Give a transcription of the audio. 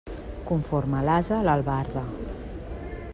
Conforme l'ase, l'albarda.